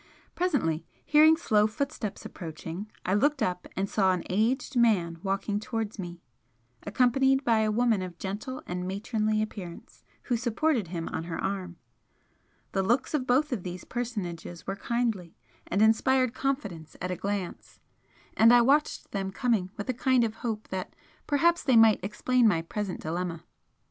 Presently, hearing slow footsteps approaching, I looked up and saw an aged man walking towards me, accompanied by a woman of gentle and matronly appearance who supported him on her arm. The looks of both these personages were kindly, and inspired confidence at a glance, and I watched them coming with a kind of hope that perhaps they might explain my present dilemma.